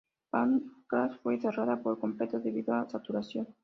Pancras fue cerrada por completo debido a saturación.